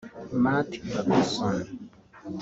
Matt Robinson